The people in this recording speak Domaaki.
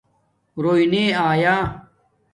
رݸئ نے آیا